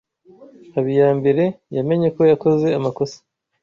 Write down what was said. Habiyambere yamenye ko yakoze amakosa.